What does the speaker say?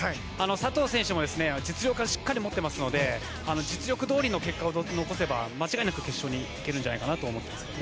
佐藤選手も実力はしっかり持ってますので実力どおりの結果を残せば間違いなく決勝に行けると思っています。